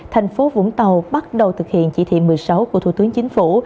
thành phố vũng tàu bắt đầu thực hiện chỉ thị một mươi sáu của thủ tướng chính phủ